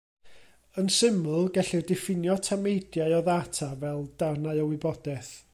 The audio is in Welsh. Yn syml, gellir diffinio tameidiau o ddata fel darnau o wybodaeth.